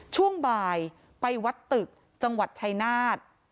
ช่วงบ่ายไปวัดตึกจังหวัดชายนาฏ